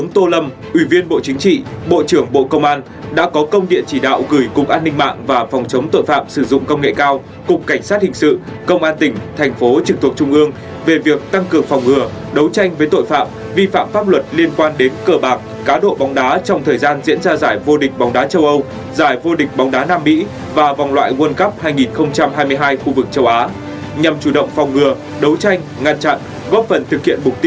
tô lâm ủy viên bộ chính trị bộ trưởng bộ công an đã có công điện chỉ đạo gửi cục an ninh mạng và phòng chống tội phạm sử dụng công nghệ cao cục cảnh sát hình sự công an tỉnh thành phố trực thuộc trung ương về việc tăng cường phòng ngừa đấu tranh với tội phạm vi phạm pháp luật liên quan đến cờ bạc cá độ bóng đá trong thời gian diễn ra giải vô địch bóng đá châu âu giải vô địch bóng đá nam mỹ và vòng loại world cup hai nghìn hai mươi hai khu vực châu á nhằm chủ động phòng ngừa đấu tranh ngăn chặn góp phần thực